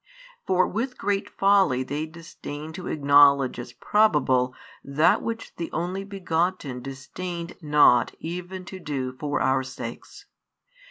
For with great folly they disdain to acknowledge as probable that which the Only Begotten disdained not even to do for our sakes.